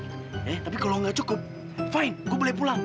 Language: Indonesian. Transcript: eh tapi kalau nggak cukup fine gue boleh pulang